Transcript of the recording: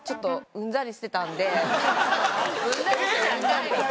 うんざり？